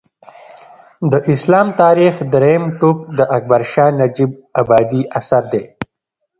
د اسلام تاریخ درېیم ټوک د اکبر شاه نجیب ابادي اثر دی